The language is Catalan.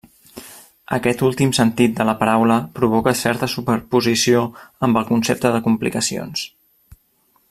Aquest últim sentit de la paraula provoca certa superposició amb el concepte de complicacions.